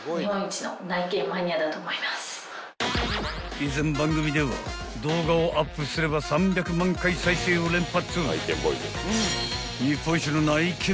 ［以前番組では動画をアップすれば３００万回再生を連発］